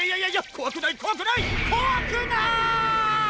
こわくないこわくない！こわくない！